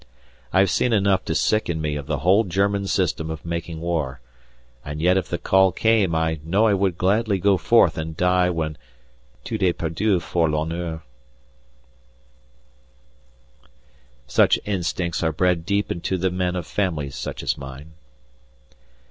I have seen enough to sicken me of the whole German system of making war, and yet if the call came I know I would gladly go forth and die when tout est perdu fors l'honneur. Such instincts are bred deep into the men of families such as mine.